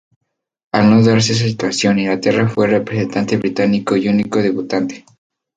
Al no darse esa situación, Inglaterra fue el representante británico y único debutante.